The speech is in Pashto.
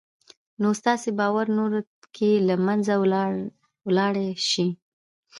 نو ستاسې باور نورو کې له منځه وړلای شي